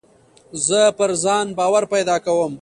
زه پر ځان باور پیدا کوم.